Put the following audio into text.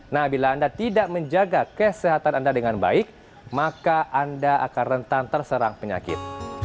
nah bila anda tidak menjaga kesehatan anda dengan baik maka anda akan rentan terserang penyakit